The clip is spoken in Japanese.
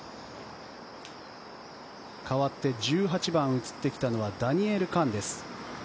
かわって１８番映ってきたのはダニエル・カンです。